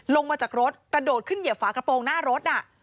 ลงมาจากรถกระโดดขึ้นเหยียบฝากระโปรงหน้ารถ